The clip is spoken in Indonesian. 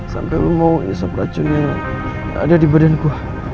sampai lo mau isop racun yang ada di badanku